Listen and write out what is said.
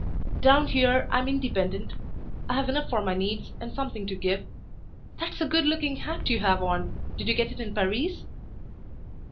Down here I'm independent. I have enough for my needs and something to give . That's a good looking hat you have on. Did you get it in Paris?"